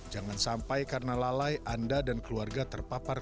jangan sampai karena lalai anda dan keluarga anda bisa mengalir